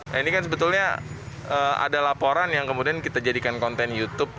nah ini kan sebetulnya ada laporan yang kemudian kita jadikan konten youtube